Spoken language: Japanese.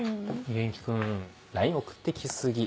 元気君ＬＩＮＥ送ってき過ぎ。